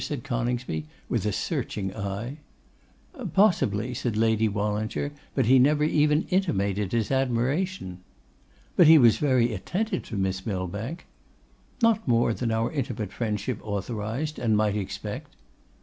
said Coningsby with a searching eye. 'Possibly,' said Lady Wallinger; 'but he never even intimated his admiration.' 'But he was very attentive to Miss Millbank?' 'Not more than our intimate friendship authorised, and might expect.